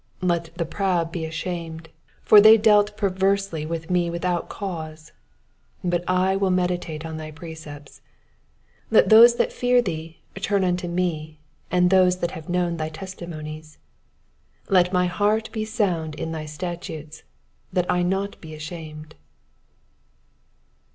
78 Let the proud be ashamed ; for they dealt perversely with me without a cause : 6ui I will meditate in thy precepts. 79 Let those that fear thee turn unto me, and those that have known thy testimonies. 80 Let my heart be sound in thy statutes ; that I be not ashamed.